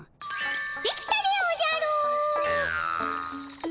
出来たでおじゃる！